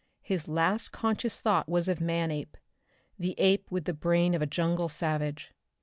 His last conscious thought was of Manape, the ape with the brain of a jungle savage.